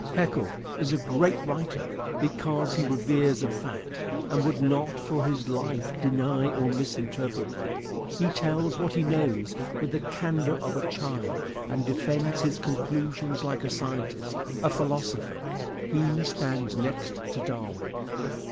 Haeckel is a great writer because he reveres a fact, and would not for his life deny or misinterpret one. He tells what he knows with the candor of a child and defends his conclusions like a scientist, a philosopher. He stands next to Darwin.